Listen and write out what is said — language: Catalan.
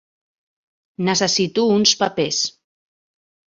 Necessito uns papers.